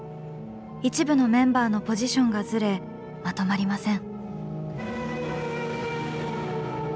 一部のメンバーのポジションがずれまとまりません。